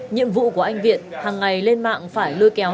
nhiệm vụ của anh viện hằng ngày lên mạng phải lưu kéo